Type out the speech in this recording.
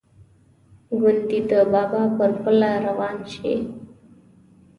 ګوندې د بابا پر پله روان شي.